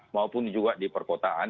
maupun juga di perkotaan